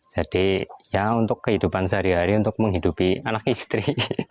jadi ya untuk kehidupan sehari hari untuk menghidupi anak istri